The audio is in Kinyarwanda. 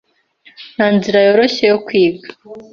Nta nzira yoroshye yo kwiga.